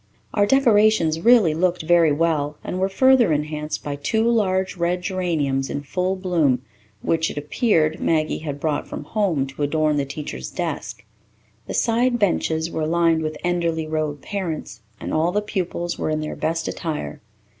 Our decorations really looked very well, and were further enhanced by two large red geraniums in full bloom which, it appeared, Maggie had brought from home to adorn the teacher's desk. The side benches were lined with Enderly Road parents, and all the pupils were in their best attire.